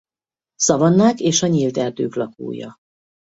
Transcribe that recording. Szavannák és a nyílt erdők lakója.